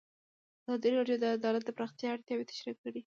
ازادي راډیو د عدالت د پراختیا اړتیاوې تشریح کړي.